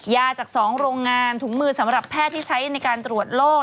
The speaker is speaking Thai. จาก๒โรงงานถุงมือสำหรับแพทย์ที่ใช้ในการตรวจโรค